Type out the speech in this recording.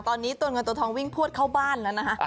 ตอนนี้ตัวเงินตัวทองวิ่งพวดเข้าบ้านแล้วนะคะ